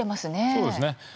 そうですね。